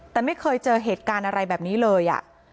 แต่ไม่เคยเจอเหตุการณ์อะไรแบบนี้เลย